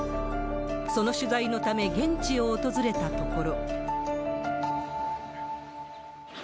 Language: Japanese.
その取材のため、現地を訪れたところ。